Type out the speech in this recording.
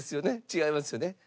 違いますよね？